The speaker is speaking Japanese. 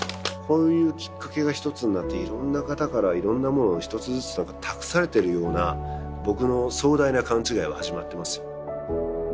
こういうきっかけが一つになって色んな方から色んなものを一つずつ何か託されてるような僕の壮大な勘違いは始まってますよ